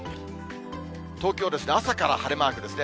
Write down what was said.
東京はですね、朝から晴れマークですね。